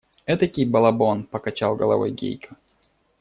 Этакий балабон! – покачал головой Гейка.